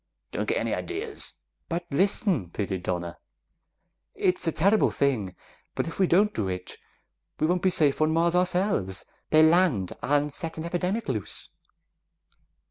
Don't get any ideas!" "But listen!" pleaded Donna. "It's a terrible thing, but if we don't do it, we won't be safe on Mars ourselves; they'll land and set an epidemic loose."